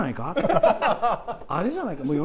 あれじゃないか？